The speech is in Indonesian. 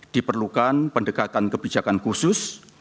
diperlukan pendekatan kebijakan khusus